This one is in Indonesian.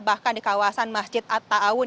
bahkan di kawasan masjid atta aun